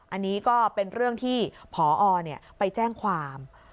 อันนี้ก็เป็นเรื่องที่พอไปแจ้งความ